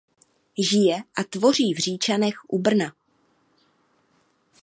Žije a tvoří v Říčanech u Brna.